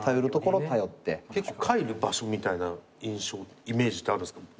帰る場所みたいな印象イメージってあるんですか？